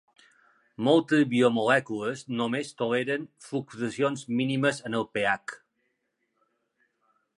Moltes biomolècules només toleren fluctuacions mínimes en el pH.